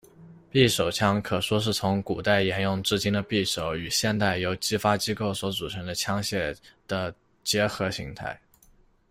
匕首枪可说是从古代延用至今的匕首，与现代由击发机构所组成的枪械的结合型态。